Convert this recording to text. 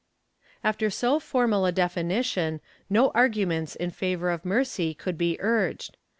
After so formal a definition, no arguments in favor of mercy could be urged.